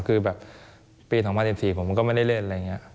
คือแบบปี๒๐๑๔ผมก็ไม่ได้เล่นอะไรอย่างนี้